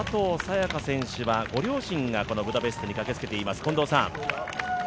也伽選手はご両親がこのブダペストに駆けつけています。